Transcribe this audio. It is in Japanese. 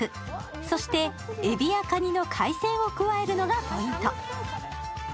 そして、えびやかにの海鮮を加えるのがポイント。